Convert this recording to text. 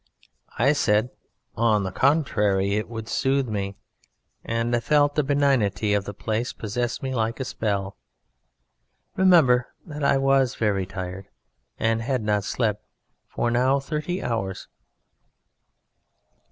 I said on the contrary it would soothe me, and I felt the benignity of the place possess me like a spell. Remember that I was very tired and had not slept for now thirty hours.